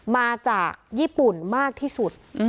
มาจากญี่ปุ่นมากที่สุด